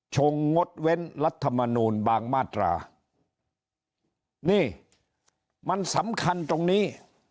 งงดเว้นรัฐมนูลบางมาตรานี่มันสำคัญตรงนี้